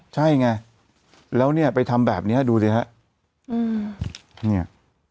ใช่ไงแล้วเนี่ยไปทำแบบนี้ดูสิครับ